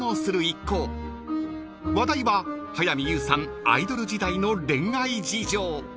［話題は早見優さんアイドル時代の恋愛事情］